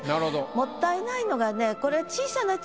もったいないのがね